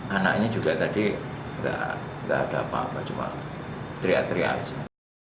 anaknya juga tadi tidak ada apa apa cuma teriak teriak aja